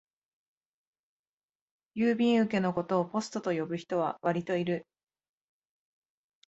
郵便受けのことをポストと呼ぶ人はわりといる